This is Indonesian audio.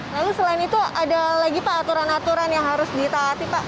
lalu selain itu ada lagi pak aturan aturan yang harus ditaati pak